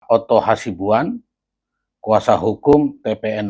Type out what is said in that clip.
otto hasibuan kuasa hukum tpn dua